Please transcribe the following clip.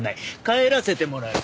帰らせてもらう。